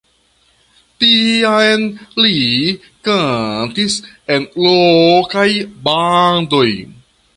Tiam li kantis en lokaj bandoj.